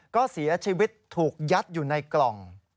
ก็เสียชีวิตถูกยัดอยู่ในกล่อง